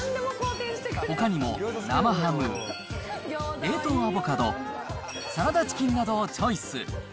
ほかにも生ハム、冷凍アボカド、サラダチキンなどをチョイス。